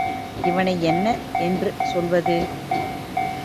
இவனை என்ன என்று சொல்வது?